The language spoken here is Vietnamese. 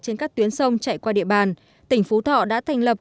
trên các tuyến sông chạy qua địa bàn tỉnh phú thọ đã thành lập